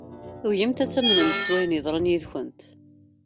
Tugimt ad tamnemt s wayen yeḍran yid-kent.